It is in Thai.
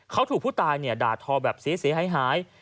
เขาถูกผู้ตายด่าทอแบบเสียหาย